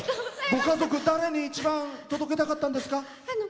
ご家族、誰に一番届けたかったんですか？